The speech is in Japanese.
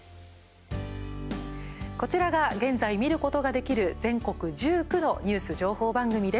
こちらが、現在見ることができる全国１９のニュース情報番組です。